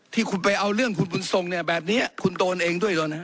ที่คุณไปเอาเรื่องคุณบุญทรงเนี่ยแบบนี้คุณโดนเองด้วยแล้วนะ